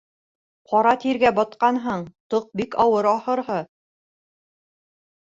Ҡара тиргә батҡанһың, тоҡ бик ауыр, ахырыһы...